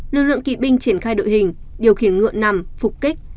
lực lượng kỵ binh triển khai đội hình điều khiển ngựa nằm phục kích